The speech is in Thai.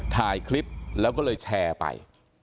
ถ่ายคลิปแล้วก็เลยแชร์ไป